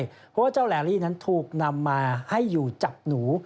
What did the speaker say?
เพราะว่าเจ้าแหลลี่นั้นถูกนำมาให้อยู่จับหนู